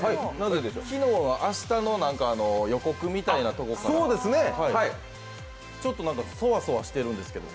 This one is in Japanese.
昨日は明日の予告みたいなとこからちょっとなんかそわそわしてるんですけど。